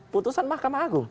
putusan mahkamah agung